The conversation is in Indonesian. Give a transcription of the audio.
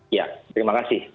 iya terima kasih